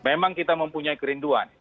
memang kita mempunyai kerinduan